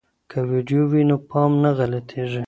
که ویډیو وي نو پام نه غلطیږي.